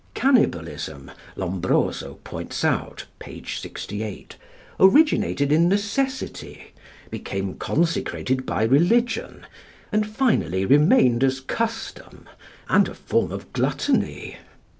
Cannibalism, Lombroso points out (p. 68), originated in necessity, became consecrated by religion, and finally remained as custom and a form of gluttony.